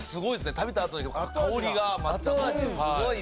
食べたあとに香りが。